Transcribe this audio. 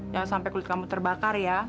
jangan sampai kulit kamu terbakar ya